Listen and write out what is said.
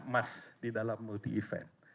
emas di dalam multi event